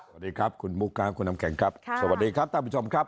สวัสดีครับคุณบุ๊คครับคุณน้ำแข็งครับสวัสดีครับท่านผู้ชมครับ